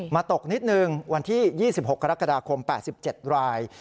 ตกนิดนึงวันที่๒๖กรกฎาคม๘๗ราย